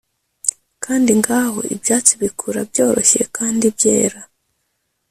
kandi ngaho ibyatsi bikura byoroshye kandi byera,